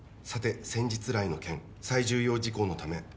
「さて先日来の件最重要事項のため」